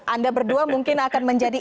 anda berdua mungkin akan menjadi